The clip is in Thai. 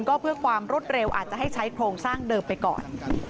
ก็เพื่อความรวดเร็วอาจจะให้ใช้โครงสร้างเดิมไปก่อน